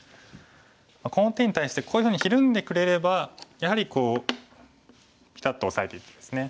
この手に対してこういうふうにひるんでくれればやはりピタッとオサえていてですね